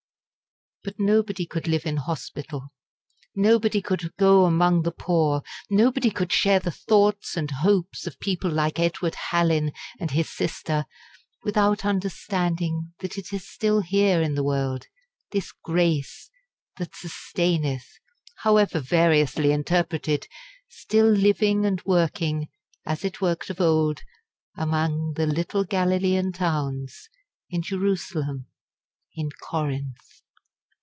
But nobody could live in hospital nobody could go among the poor nobody could share the thoughts and hopes of people like Edward Hallin and his sister, without understanding that it is still here in the world this "grace" that "sustaineth" however variously interpreted, still living and working, as it worked of old, among the little Galilean towns, in Jerusalem, in Corinth.